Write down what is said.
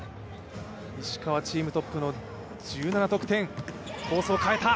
石川チームトップの１７得点。